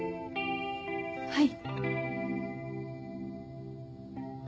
はい。